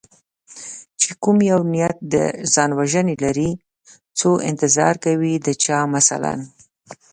چې کوم یو نیت د ځان وژنې لري څو انتظار کوي د چا مثلا